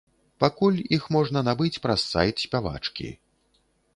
Пакуль іх можна набыць праз сайт спявачкі.